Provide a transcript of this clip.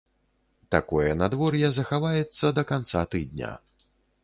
Такое надвор'е захаваецца да канца тыдня.